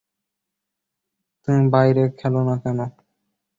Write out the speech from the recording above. তুমি বাইরে খেলো না কেন?